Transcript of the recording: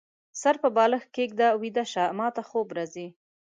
سر په بالښت کيږده ، ويده شه ، ماته خوب راځي